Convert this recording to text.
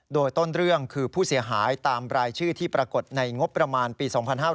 โดยต้นเรื่องคือผู้เสียหายตามรายชื่อที่ปรากฏในงบประมาณปี๒๕๕๙